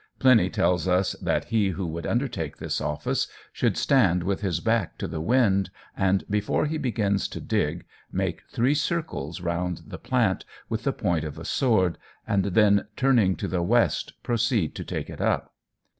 Pliny tells us that he who would undertake this office should stand with his back to the wind, and before he begins to dig, make three circles round the plant with the point of a sword, and then turning to the west proceed to take it up.